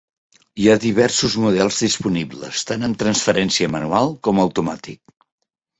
Hi ha diversos models disponibles, tan amb transferència manual com automàtic.